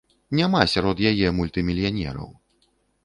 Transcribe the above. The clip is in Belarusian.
Няма сярод яе мультымільянераў.